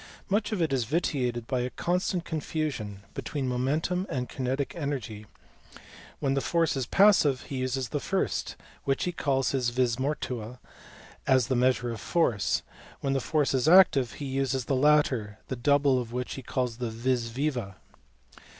Much of it is vitiated by a constant confusion between momentum and kinetic energy: when the force is " passive" he uses the first, which he calls the vis mortua, as the measure of a force ; when the force is " active " he uses the latter, the double of which he calls the vis viva.